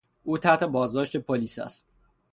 او تحت بازداشت پلیس است.